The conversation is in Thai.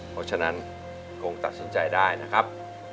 เพราะฉะนั้นคงตัดสินใจได้นะครับ